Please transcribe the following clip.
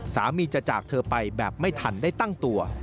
สามีจะจากเธอไปแบบไม่ทันได้ตั้งตัว